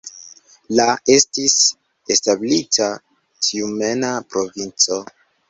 La estis establita Tjumena provinco.